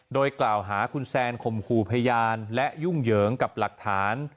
โดยกล่าวหาคุณแซนข่มขู่พยานและยุ่งเหยิงกับหลักฐาน